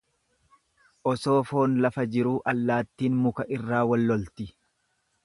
Osoo foon lafa jiruu allaattiin muka irraa wal lolti.